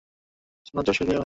নজর ঘুরিয়ে ওয়াহশীকে দেখতে পান।